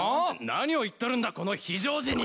何を言っとるんだこの非常時に。